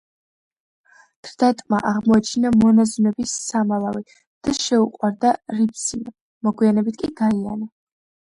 თრდატმა აღმოაჩინა მონაზვნების სამალავი და შეუყვარდა რიფსიმე, მოგვიანებით კი გაიანე.